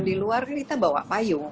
di luar kita bawa payung